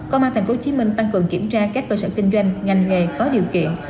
công an tp hcm tăng cường kiểm tra các cơ sở kinh doanh ngành nghề có điều kiện